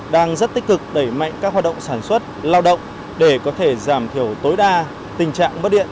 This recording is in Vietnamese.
đang rất tích cực đẩy mạnh các hoạt động sản xuất lao động để có thể giảm thiểu tối đa tình trạng mất điện